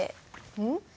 うん？